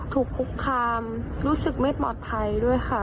ถูกคุกคามรู้สึกไม่ปลอดภัยด้วยค่ะ